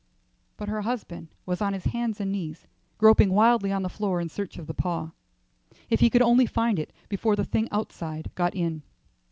But her husband was on his hands and knees groping wildly on the floor in search of the paw. If he could only find it before the thing outside got in.